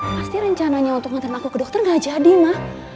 pasti rencananya untuk ngin aku ke dokter gak jadi mak